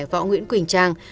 võ nguyễn quỳnh trang